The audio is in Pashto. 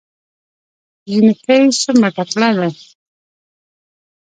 جينکۍ څومره تکړه دي